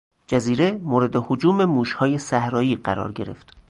جزیره مورد هجوم موشهای صحرایی قرار گرفت.